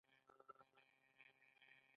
د نعناع غوړي د څه لپاره وکاروم؟